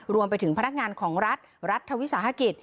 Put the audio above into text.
รวมไปถึงพนักงานของรัฐรัฐวิสาหกิจ